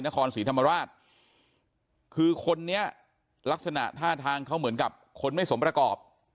นครศรีธรรมราชคือคนนี้ลักษณะท่าทางเขาเหมือนกับคนไม่สมประกอบ